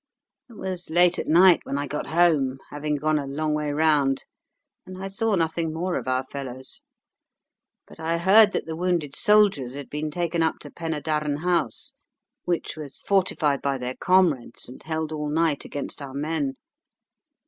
"It was late at night when I got home, having gone a long way round, and I saw nothing more of our fellows; but I heard that the wounded soldiers had been taken up to Penydarren House, which was fortified by their comrades, and held all night against our men.